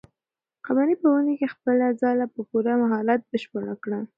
قمرۍ په ونې کې خپله ځالۍ په پوره مهارت بشپړه کړه.